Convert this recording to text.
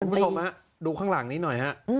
คุณผู้ชมฮะดูข้างหลังนี้หน่อยฮะ